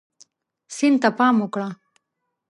سیند ته پام وکړه.